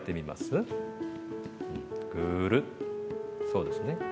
そうですね。